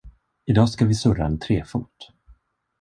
Idag ska vi surra en trefot.